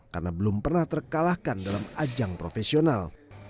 karena belum pernah terkalahkan dalam ajang profesional